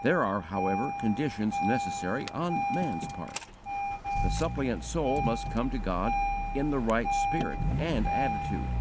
There are, however, conditions necessary on man's part: _the suppliant soul must come to God in the right spirit and attitude.